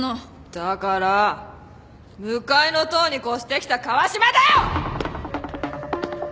だから向かいの棟に越してきた川島だよ！